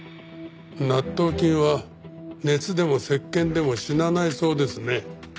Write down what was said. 納豆菌は熱でもせっけんでも死なないそうですね。